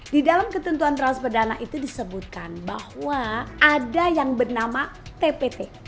di dalam ketentuan transfer dana itu disebutkan bahwa ada yang bernama tpt